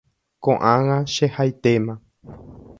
Koʼág̃a chehaitéma”.